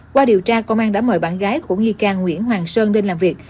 qua điều tra công an đã mời bạn gái của nghi ca nguyễn hoàng sơn lên làm việc